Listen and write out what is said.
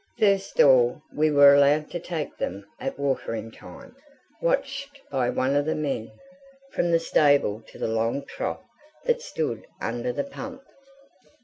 First of all we were allowed to take them at watering time, watched by one of the men, from the stable to the long trough that stood under the pump.